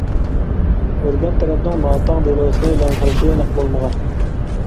ئورگان تەرەپنىڭ «ماتاڭ» دېلوسىنى ئېلان قىلىشى ئېنىق بولمىغان.